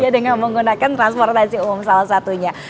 dengan menggunakan transportasi umum salah satunya